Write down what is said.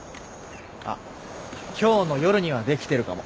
あっ今日の夜にはできてるかも。